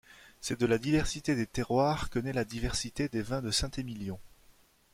C’est de la diversité des terroirs que naît la diversité des vins de Saint-Émilion.